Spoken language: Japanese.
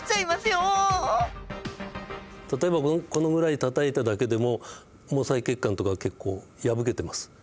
例えばこのぐらいたたいただけでも毛細血管とか結構破けてます。